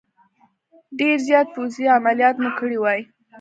ډېر زیات پوځي عملیات مو کړي وای.